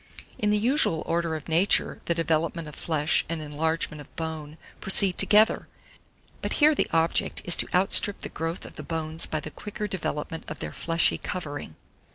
In the usual order of nature, the development of flesh and enlargement of bone proceed together; but here the object is to outstrip the growth of the bones by the quicker development of their fleshy covering.